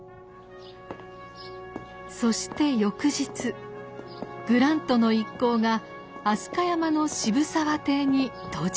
そして翌日グラントの一行が飛鳥山の渋沢邸に到着しました。